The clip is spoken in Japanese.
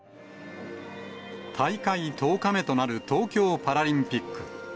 大会１０日目となる東京パラリンピック。